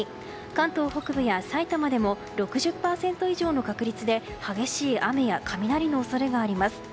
関東北部や、さいたまでも６０％以上の確率で激しい雨や雷の恐れがあります。